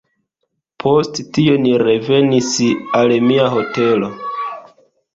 Post tio ni revenis al mia hotelo.